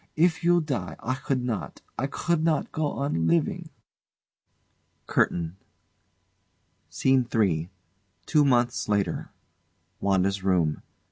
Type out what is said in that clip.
If you die I could not I could not go on living! CURTAIN SCENE III. TWO MONTHS LATER WANDA'S room.